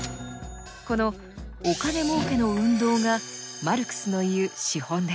このお金儲けの運動がマルクスの言う「資本」です。